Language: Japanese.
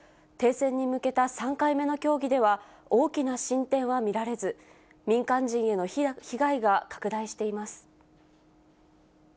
停戦に向けた３回目の協議では、大きな進展は見られず、民間人への被害が拡大しています。